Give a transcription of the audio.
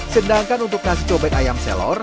sedangkan untuk nasi cobek ayam selor